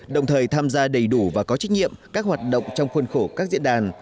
đồng thời tham gia đầy đủ và có trách nhiệm các hoạt động trong khuôn khổ các diễn đàn